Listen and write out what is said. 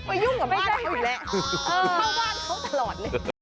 ไปยุ่งกับบ้านเขาอยู่แล้วเออเข้าบ้านเขาตลอดนี่